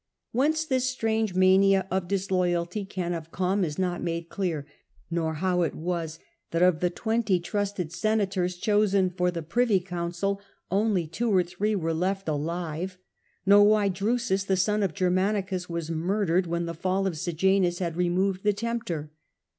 Whence this strange mania of dis loyalty can have come is not made clear, nor without any how it was that of the twenty trusted senators chosen for the privy council only two or three were left alive, nor why Drusus, the son of Germanicus, was mur dered when the fall of Sejanus had removed the tempter.